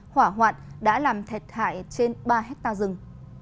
hỏa hoạn đã làm thiệt hại trên ba hectare rừng